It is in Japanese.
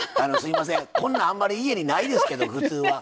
こんなん、あんまり家にないですけど普通は。